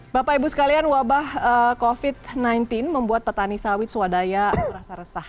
bapak ibu sekalian wabah covid sembilan belas membuat petani sawit swadaya merasa resah